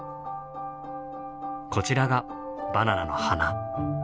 こちらがバナナの花。